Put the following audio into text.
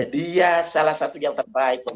dia salah satu yang terbaik untuk